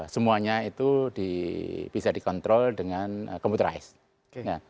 semuanya itu bisa dikontrol dengan computerized